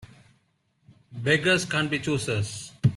Beggars can't be choosers.